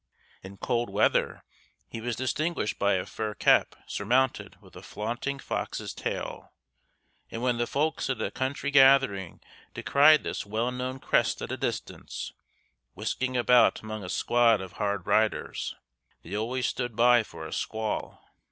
In cold weather he was distinguished by a fur cap surmounted with a flaunting fox's tail; and when the folks at a country gathering descried this well known crest at a distance, whisking about among a squad of hard riders, they always stood by for a squall.